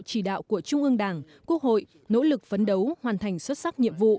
chỉ đạo của trung ương đảng quốc hội nỗ lực phấn đấu hoàn thành xuất sắc nhiệm vụ